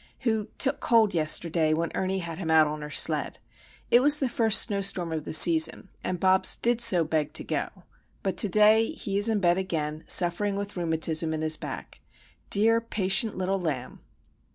—who took cold yesterday when Ernie had him out on her sled. It was the first snowstorm of the season, and Bobs did so beg to go; but to day he is in bed again, suffering with rheumatism in his back. Dear, patient, little lamb!